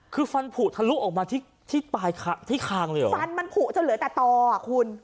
คือฟันผูทะลุออกมาที่ที่ปลายคางที่คางเลยเหรอฟันมันผูกจนเหลือแต่ต่ออ่ะคุณ